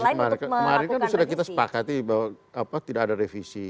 tidak ada revisi kemarin kemarin kan sudah kita sepakati bahwa tidak ada revisi